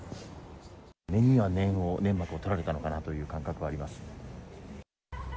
念には念を、粘膜を取られたのかなという感覚はあります。